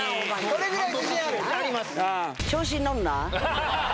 それぐらい自信ある？あります。